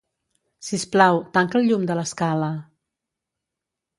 Sisplau, tanca el llum de l'escala.